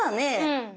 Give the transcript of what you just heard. うん。